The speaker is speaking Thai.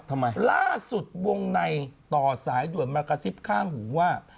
ทำไมล่าสุดวงในต่อสายด่วนมากระซิบข้างหูว่า